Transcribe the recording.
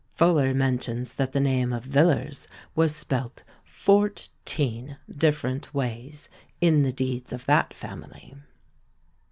Fuller mentions that the name of Villers was spelt fourteen different ways in the deeds of that family.